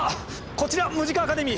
こちらムジカ・アカデミー。